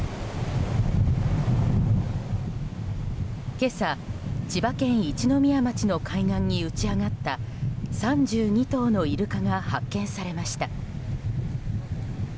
今朝、千葉県一宮町の海岸に打ち揚がった３２頭のイルカが発見されました。